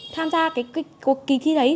tham gia cái cuộc kỳ thi đấy